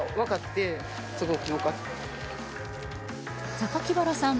榊原さん